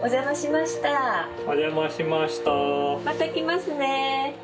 また来ますね。